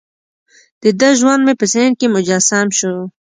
دده ژوند مې په ذهن کې مجسم شو.